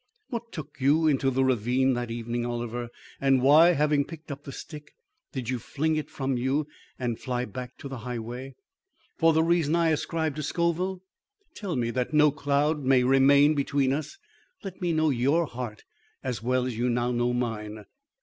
What took you into the ravine that evening, Oliver, and why, having picked up the stick, did you fling it from you and fly back to the highway? For the reason I ascribed to Scoville? Tell me, that no cloud may remain between us. Let me know your heart as well as you now know mine."